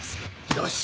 よし！